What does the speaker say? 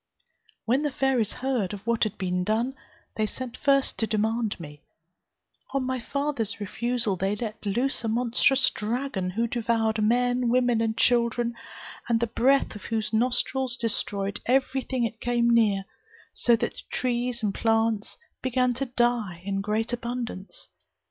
When the fairies heard of what had been done, they sent first to demand me; and on my father's refusal, they let loose a monstrous dragon, who devoured men, women and children, and the breath of whose nostrils destroyed every thing it came near, so that the trees and plants began to die in great abundance.